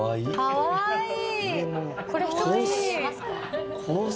かわいい。